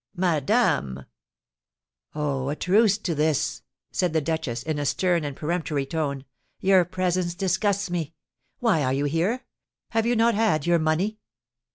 "Madame!" "Oh, a truce to this!" said the duchess, in a stern and peremptory tone. "Your presence disgusts me! Why are you here? Have you not had your money?"